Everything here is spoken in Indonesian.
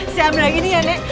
siap lagi nih ya nek